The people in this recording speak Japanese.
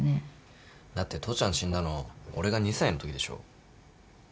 だって父ちゃん死んだの俺が２歳のときでしょ？